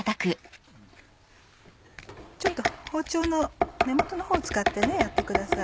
包丁の根元のほうを使ってやってください。